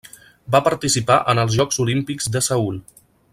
Va participar en els Jocs Olímpics de Seül.